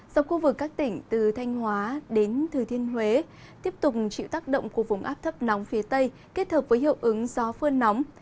dọc khu vực các tỉnh từ thanh hóa đến thừa thiên huế tiếp tục chịu tác động của vùng áp thấp nóng phía tây kết hợp với hiệu ứng gió phơn nóng